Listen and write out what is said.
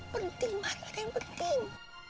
penting banget yang penting